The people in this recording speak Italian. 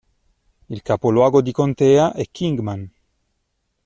Il capoluogo di contea è Kingman